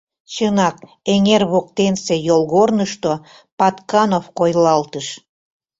Чынак, эҥер воктенсе йолгорнышто Патканов койылалтыш.